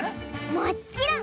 もっちろん！